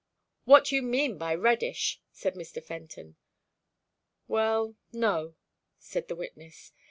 "What you mean by 'reddish?'" said Mr. Fenton. "Well no," said the witness.